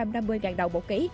hai trăm năm mươi đồng một ký